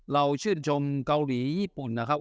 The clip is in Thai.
ชื่นชมเกาหลีญี่ปุ่นนะครับ